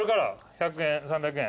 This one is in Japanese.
１００円３００円。